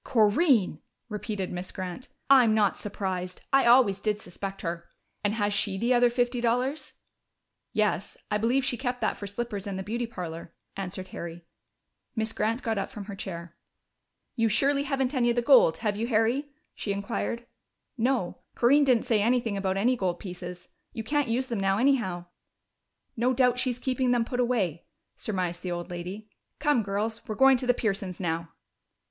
"Corinne!" repeated Miss Grant. "I'm not surprised. I always did suspect her.... And has she the other fifty dollars?" "Yes, I believe she kept that for slippers and the beauty parlor," answered Harry. Miss Grant got up from her chair. "You surely haven't any of the gold, have you, Harry?" she inquired. "No. Corinne didn't say anything about any gold pieces. You can't use them now, anyhow." "No doubt she's keeping them put away," surmised the old lady. "Come, girls! We're going to the Pearsons' now."